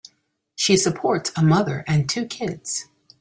She supports a mother and two kids.